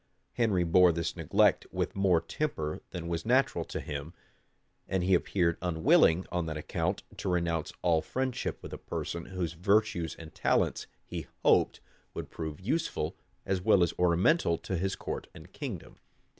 Henry bore this neglect with more temper than was natural to him; and he appeared unwilling, on that account, to renounce all friendship with a person whose virtues and talents, he hoped, would prove useful as well as ornamental to his court and kingdom.